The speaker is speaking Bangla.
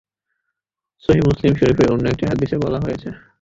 সহীহ মুসলিম শরীফের অন্য একটি হাদিসে বলা হয়েছে,